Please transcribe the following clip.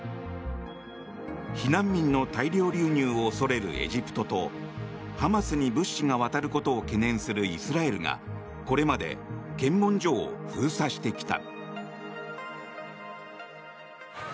避難民の大量流入を恐れるエジプトとハマスに物資が渡ることを懸念するイスラエルがこれまで検問所を封鎖してきた。